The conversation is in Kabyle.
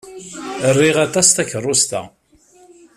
Riɣ aṭas takeṛṛust-a.